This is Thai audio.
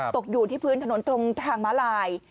ตกอยู่ที่พื้นถนนตรงทางม้าลาย